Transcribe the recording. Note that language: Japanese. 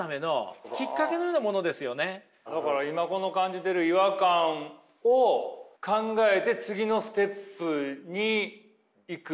だから今この感じてる違和感を考えて次のステップに行くってことなんですかね？